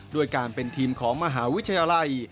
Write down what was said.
ด้วยการเป็นทีมของมหาวิทยาลัย